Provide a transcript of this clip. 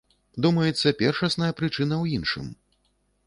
Думаецца, першасная прычына ў іншым.